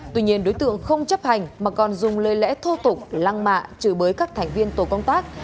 tuy nhiên đối tượng không chấp hành mà còn dùng lời lẽ thô tục lăng mạ chửi bới các thành viên tổ công tác